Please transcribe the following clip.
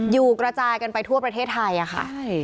อยู่กระจายกันไปทั่วประเทศไทยค่ะ